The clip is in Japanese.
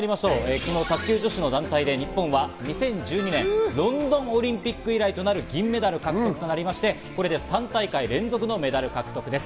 昨日、卓球女子の団体で日本は２０１２年、ロンドンオリンピック以来となる銀メダルを獲得しまして、これで３大会連続のメダル獲得です。